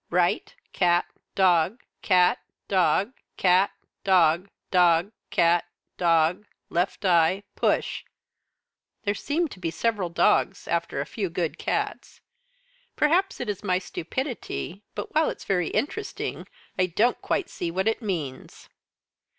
'Right cat dog cat dog cat dog dog cat dog left eye, push' there seem to be several dogs after a good few cats. Perhaps it is my stupidity, but, while it's very interesting, I don't quite see what it means."